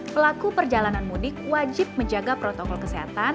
pelaku perjalanan mudik wajib menjaga protokol kesehatan